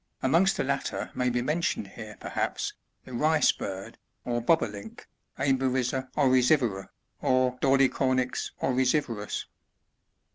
Amongst the latter may be mentioned here, perhaps, the Rice Bird, or Bob o Link, — Emberiza oryzivora, or Dolichonyx oryzivorus.